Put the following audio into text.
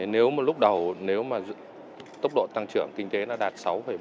nếu mà lúc đầu tốc độ tăng trưởng kinh tế đã đạt sáu bảy